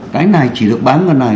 cái này chỉ được bán ngày này